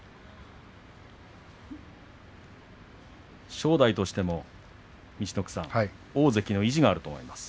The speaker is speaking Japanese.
正代としても大関の意地があると思います。